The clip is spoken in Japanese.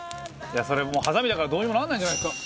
それ、はさみだから、どうにもならないんじゃないですか？